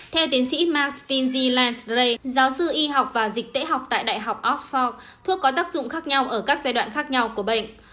theo tiến sĩ mark stinsey lansley giáo sư y học và dịch tễ học tại đại học oxford thuốc có tác dụng khác nhau ở các giai đoạn khác nhau của bệnh